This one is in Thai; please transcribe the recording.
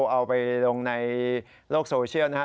เอาไปลงในโลกโซเชียลนะครับ